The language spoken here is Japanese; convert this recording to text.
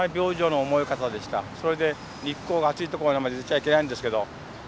それで日光があつい所まで出ちゃいけないんですけどあの。